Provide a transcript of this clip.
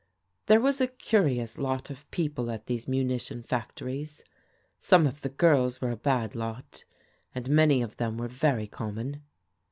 " There was a curious lot of people at these munition factories. Some of the girls were a bad lot, and many of them were very common."